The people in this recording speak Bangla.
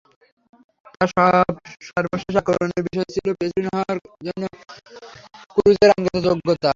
তাঁর সর্বশেষ আক্রমণের বিষয় ছিল প্রেসিডেন্ট হওয়ার জন্য ক্রুজের আইনগত যোগ্যতা।